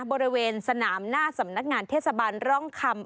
บริเวณสนามหน้าสำนักงานเทศบาลร่องคำ